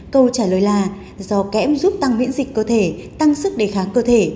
câu trả lời là do kẽm giúp tăng biễn dịch cơ thể tăng sức đề kháng cơ thể